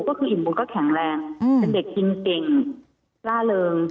ก็คืออิ่มบุญก็แข็งแรงเป็นเด็กกินเก่งล่าเริง